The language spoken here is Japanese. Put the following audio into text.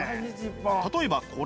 例えばこれ。